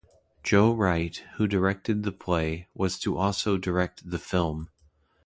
Joe Wright, who directed the play, was to also direct the film.